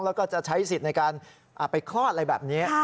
แล้วก็จะใช้สิทธิ์ในการไปคลอดอะไรแบบนี้